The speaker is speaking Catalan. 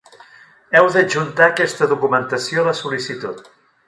Heu d'adjuntar aquesta documentació a la sol·licitud.